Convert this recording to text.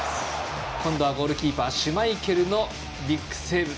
今度はゴールキーパーシュマイケルのビッグセーブ。